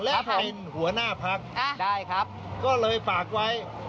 และเป็นหัวหน้าพรรคก็เลยฝากไว้